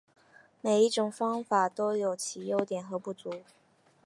每一种方法都有其优点和不足。